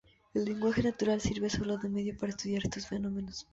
El lenguaje natural sirve solo de medio para estudiar estos fenómenos.